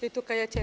lihat gue n dancing